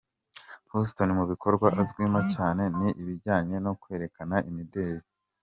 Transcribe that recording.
Houston mu bikorwa azwimo cyane ni ibijyanye no kwerekana imideri.